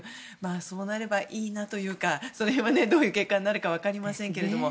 そうなればいいなというかその辺はどういう結果になるか分かりませんけれども。